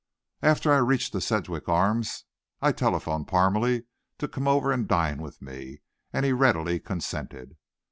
After I reached the Sedgwick Arms I telephoned Parmalee to come over and dine with me, and he readily consented.